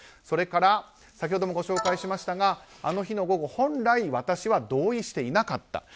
それから先ほどもご紹介しましたがあの日の午後、本来私は同意していなかった。